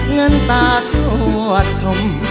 เงินตาชวดชม